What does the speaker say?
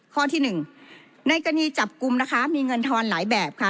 ข้อที่หนึ่งในกรณีจับกลุ่มนะคะมีเงินทอนหลายแบบค่ะ